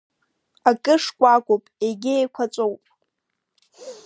Акы шкәакәоуп, егьи еиқәаҵәоуп.